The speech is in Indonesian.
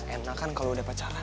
enak kan kalau udah pacaran